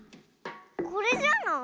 これじゃない？